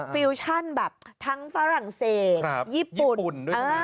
ฟิวชั่นแบบทั้งฝรั่งเศสญี่ปุ่นด้วย